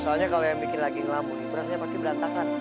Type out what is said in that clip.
soalnya kalau yang bikin lagi ngelambun itu rasanya pasti berantakan